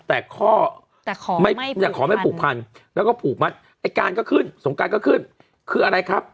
แต่ขอไม่ผูกพันแล้วก็ผูกมาไอ้การก็ขึ้นสงการก็ขึ้นคืออะไรครับ